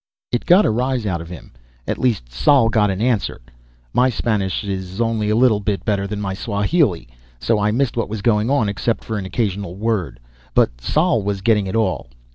It got a rise out of him; at least Sol got an answer. My Spanish is only a little bit better than my Swahili, so I missed what was going on, except for an occasional word. But Sol was getting it all.